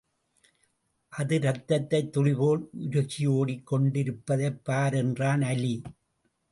அது இரத்தத் துளிபோல் உருகியோடிக்கொண்டிருப்பதைப் பார் என்றான் அலி.